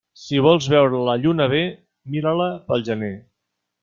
Si vols veure la lluna bé, mira-la pel gener.